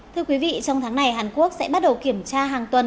thưa quý vị trong tháng này hàn quốc sẽ bắt đầu kiểm tra hàng tuần